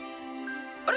あれ？